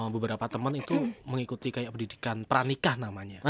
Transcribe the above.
beberapa temen itu mengikuti kayak pendidikan peranikah namanya